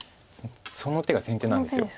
その手が先手なんです。